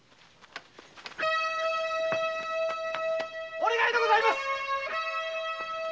お願いでございます！